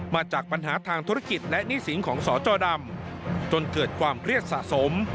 มาจากปัญหาทางธุรกิจและหนี้สินของสจดำจนเกิดความเครียดสะสม